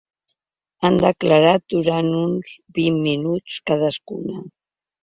Han declarat durant uns vint minuts cadascuna.